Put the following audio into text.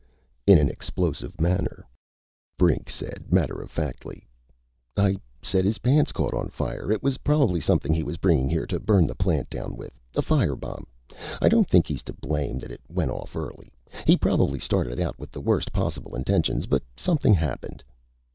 _" in, an explosive manner. Brink said matter of factly: "I said his pants caught on fire. It was probably something he was bringing here to burn the plant down with a fire bomb. I don't think he's to blame that it went off early. He probably started out with the worst possible intentions, but something happened...."